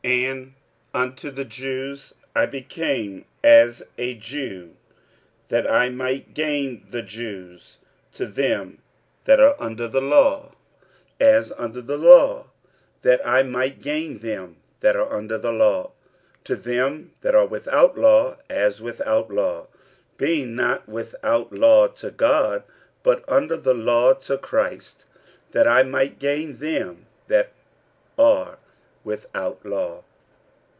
46:009:020 And unto the Jews I became as a Jew, that I might gain the Jews; to them that are under the law, as under the law, that I might gain them that are under the law; 46:009:021 To them that are without law, as without law, (being not without law to God, but under the law to Christ,) that I might gain them that are without law.